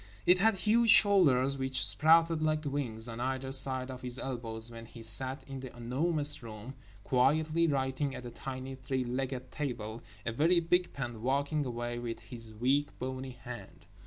It had huge shoulders which sprouted, like wings, on either side of his elbows when he sat in The Enormous Room quietly writing at a tiny three legged table, a very big pen walking away with his weak bony hand.